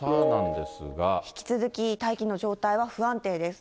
引き続き大気の状態は不安定です。